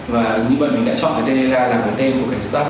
và như vậy mình đã chọn cái tên ella là một cái tên của cái staff